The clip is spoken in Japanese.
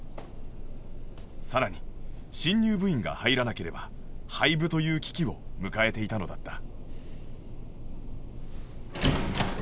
さらに新入部員が入らなければ廃部という危機を迎えていたのだった